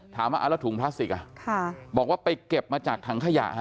ถามว่าเอาแล้วถุงพลาสติกบอกว่าไปเก็บมาจากถังขยะ